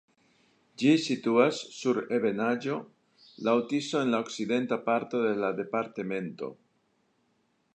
Ĝi situas sur ebenaĵo laŭ Tiso en la okcidenta parto de la departemento.